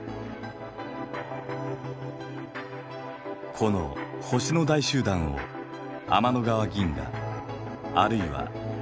この星の大集団を天の川銀河あるいは銀河系といいます。